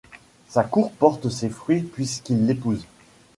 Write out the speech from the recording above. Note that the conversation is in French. Sa cour porte ses fruits puisqu'il l'épouse.